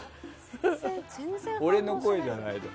俺の声じゃないと。